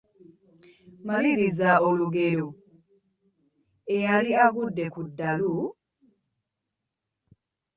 Maliriza olugero: Eyali agudde ku ddalu, ….